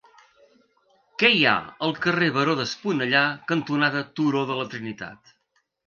Què hi ha al carrer Baró d'Esponellà cantonada Turó de la Trinitat?